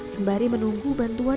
sembari menunggu bantuan